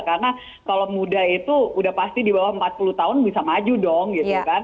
karena kalau muda itu sudah pasti di bawah empat puluh tahun bisa maju dong gitu kan